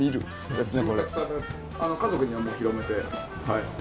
ですね。